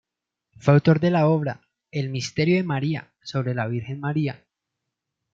Fue autor de la obra "El Misterio de María", sobre la Virgen María.